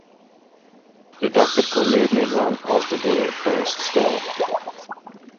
De dokter koe net mear dwaan as de dea fêststelle.